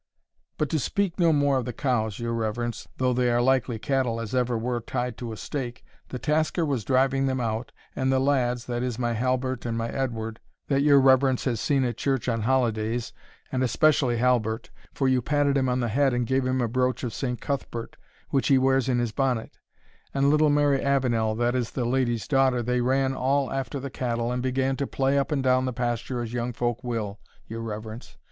"But, to speak no more of the cows, your reverence, though they are likely cattle as ever were tied to a stake, the tasker was driving them out, and the lads, that is my Halbert and my Edward, that your reverence has seen at church on holidays, and especially Halbert, for you patted him on the head and gave him a brooch of Saint Cuthbert, which he wears in his bonnet, and little Mary Avenel, that is the lady's daughter, they ran all after the cattle, and began to play up and down the pasture as young folk will, your reverence.